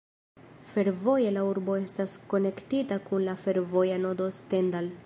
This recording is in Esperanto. Fervoje la urbo estas konektita kun la fervoja nodo Stendal.